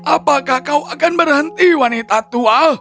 apakah kau akan berhenti wanita tua